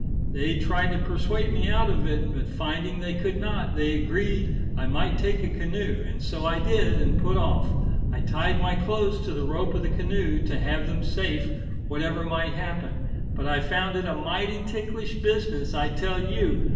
They tried to persuade me out of it; but finding they could not, they agreed I might take a canoe, and so I did, and put off. I tied my clothes to the rope of the canoe, to have them safe, whatever might happen. But I found it a mighty ticklish business, I tell you.